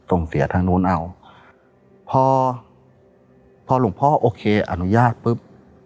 ส่งเสียทางนู้นเอาพอพอหลวงพ่อโอเคอนุญาตปุ๊บ